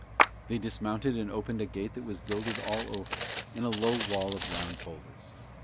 They dismounted and opened a gate that was gilded all over, in a low wall of round boulders.